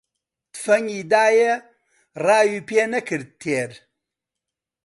تفەنگی دایە، ڕاوی پێ نەکرد تێر